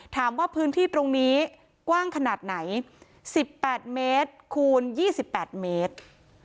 ถามว่าพื้นที่ตรงนี้กว้างขนาดไหนสิบแปดเมตรคูณยี่สิบแปดเมตร